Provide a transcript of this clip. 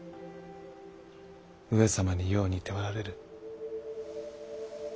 上様によう似ておられる。